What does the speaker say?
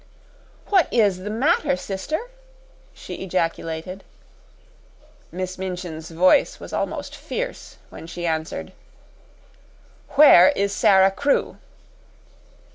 "What IS the matter, sister?" she ejaculated. Miss Minchin's voice was almost fierce when she answered: "Where is Sara Crewe?"